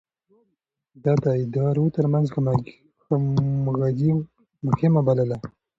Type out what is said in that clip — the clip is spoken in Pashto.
ده د ادارو ترمنځ همغږي مهمه بلله.